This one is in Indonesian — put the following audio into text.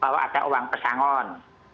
bahwa ada uang pesangon